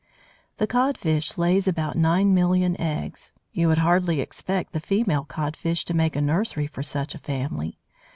The Codfish lays about nine million eggs! You would hardly expect the female Codfish to make a nursery for such a family!